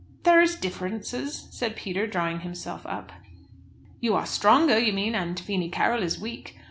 "There is differences," said Peter, drawing himself up. "You are stronger, you mean, and Feemy Carroll is weak.